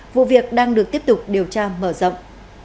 vụ việc đang được tiếp tục điều tra mở rộng